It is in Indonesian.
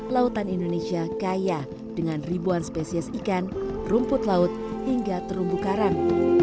lautan indonesia kaya dengan ribuan spesies ikan rumput laut hingga terumbu karang